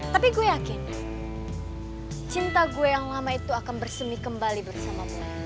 tapi gue yakin cinta gue yang lama itu akan bersemi kembali bersamamu